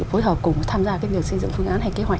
phối hợp cùng tham gia cái việc xây dựng phương án hay kế hoạch